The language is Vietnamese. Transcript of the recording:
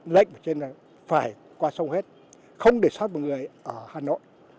lệnh trên này phải qua sông hết không để sát một người ở hà nội